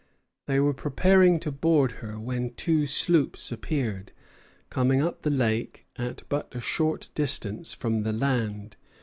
They were preparing to board her, when two sloops appeared, coming up the lake at but a short distance from the land.